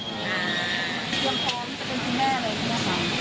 พร้อมพร้อมจะเป็นคุณแม่อะไรนะคะ